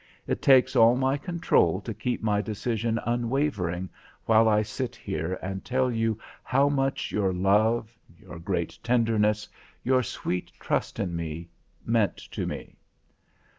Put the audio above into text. It takes all my control to keep my decision unwavering while I sit here and tell you how much your love, your great tenderness, your sweet trust in me, meant to me.